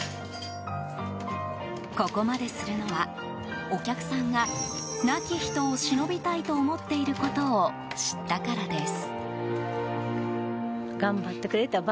ここまでするのはお客さんが亡き人をしのびたいと思っていることを知ったからです。